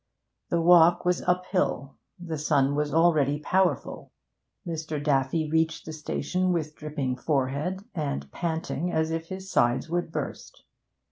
The walk was uphill; the sun was already powerful; Mr. Daffy reached the station with dripping forehead and panting as if his sides would burst.